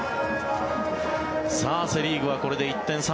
セ・リーグはこれで１点差。